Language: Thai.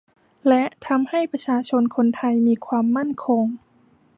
และทำให้ประชาชนคนไทยมีความมั่นคง